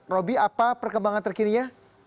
roby apa perkembangan terkirinya